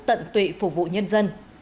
tận tụy phục vụ nhân dân